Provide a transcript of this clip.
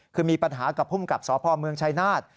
คือมีปัญหากับภูมิกับสพเมืองชายนาฏ